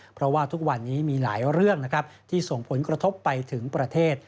เพราะว่าทุกวันนี้มีหลายเรื่องนะครับที่ส่งผลกระทบไปถึงประเทศ